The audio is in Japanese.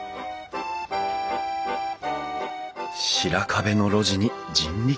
白壁の路地に人力車。